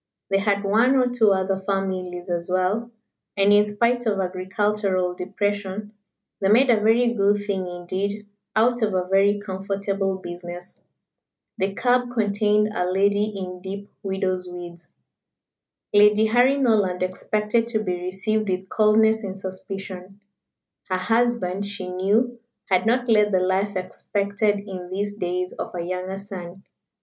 They had one or two other families as well, and in spite of agricultural depression, they made a very good thing indeed out of a very comfortable business. The cab contained a lady in deep widow's weeds. Lady Harry Norland expected to be received with coldness and suspicion. Her husband, she knew, had not led the life expected in these days of a younger son.